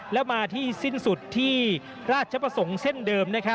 แล้วมาที่สิ้นสุดที่ราชประสงค์เส้นเดิม